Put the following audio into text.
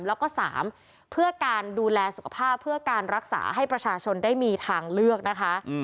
แล้วก็๓เพื่อการดูแลสุขภาพเพื่อการรักษาให้ประชาชนได้มีทางเลือกนะคะ